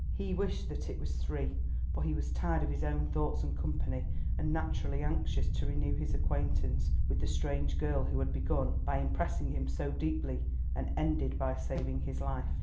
He wished that it was three, for he was tired of his own thoughts and company, and naturally anxious to renew his acquaintance with the strange girl who had begun by impressing him so deeply and ended by saving his life.